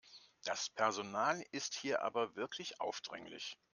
Das Personal ist hier aber wirklich aufdringlich.